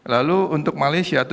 lalu untuk malaysia